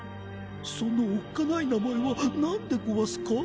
そのおっかない名前は何でゴワスか？